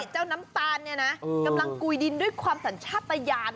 น้ำตาลเนี่ยนะกำลังกุยดินด้วยความสัญชาติตะยาน